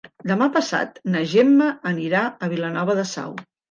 Demà passat na Gemma anirà a Vilanova de Sau.